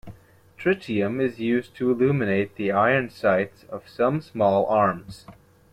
Tritium is used to illuminate the iron sights of some small arms.